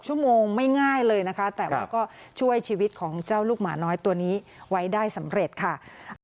ชั่วโมงไม่ง่ายเลยนะคะแต่ว่าก็ช่วยชีวิตของเจ้าลูกหมาน้อยตัวนี้ไว้ได้สำเร็จค่ะ